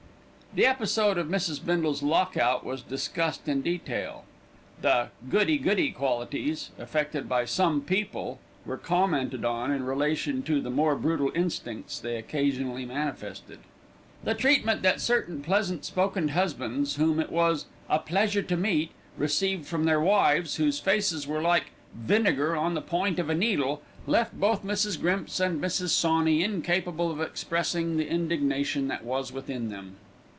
The episode of Mrs. Bindle's lock out was discussed in detail. The "goody goody" qualities affected by "some people" were commented on in relation to the more brutal instincts they occasionally manifested. The treatment that certain pleasant spoken husbands, whom it was "a pleasure to meet," received from their wives, whose faces were like "vinegar on the point of a needle," left both Mrs. Grimps and Mrs. Sawney incapable of expressing the indignation that was within them.